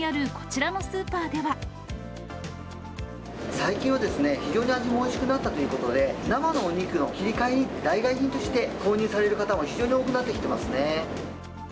最近は、非常に味もおいしくなったということで、生のお肉の切り替えに、代替品として購入される方も非常に多くなってきてますね。